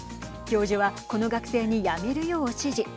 教授は、この学生にやめるよう指示。